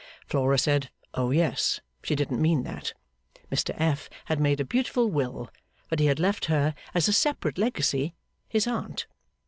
Flora said, oh yes, she didn't mean that, Mr F. had made a beautiful will, but he had left her as a separate legacy, his Aunt.